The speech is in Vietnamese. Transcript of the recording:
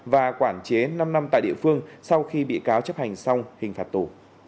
và quản chế năm năm tại địa phương sau khi bị cáo chấp hành xong hình phạt tù